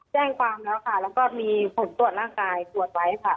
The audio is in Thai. แจ้งความแล้วค่ะแล้วก็มีผลตรวจร่างกายตรวจไว้ค่ะ